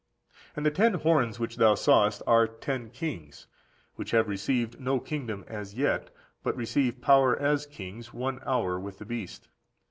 And the ten horns which thou sawest are ten kings, which have received no kingdom as yet; but receive power as kings one hour with the beast.